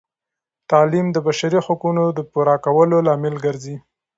تعلیم د بشري حقونو د پوره کولو لامل ګرځي.